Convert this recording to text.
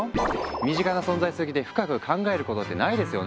身近な存在すぎて深く考えることってないですよね。